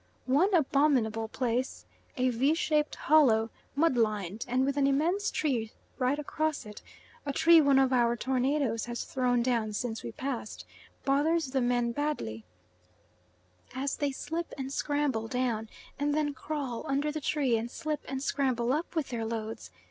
One abominable place, a V shaped hollow, mud lined, and with an immense tree right across it a tree one of our tornadoes has thrown down since we passed bothers the men badly, as they slip and scramble down, and then crawl under the tree and slip and scramble up with their loads.